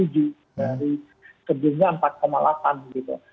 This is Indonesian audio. jadi kebunnya empat delapan gitu